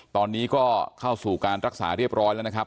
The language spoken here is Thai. ตอนนี้ก็เข้าสู่การรักษาเรียบร้อยแล้วนะครับ